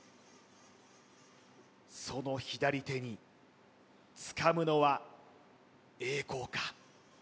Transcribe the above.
その左手につかむのは栄光か？